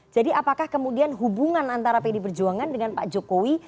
jadi apakah kemudian hubungan antara pd perjuangan dengan pak jokowi